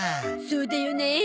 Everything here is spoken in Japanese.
そうだよねえ。